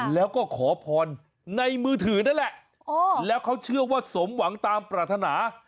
แล้วก็ขอพรในมือถือนั่นแหละแล้วเขาเชื่อว่าสมหวังตามปรารถนา